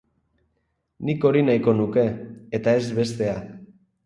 Nik hori nahiko nuke eta ez bestea.